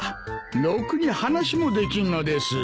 ろくに話もできんのです。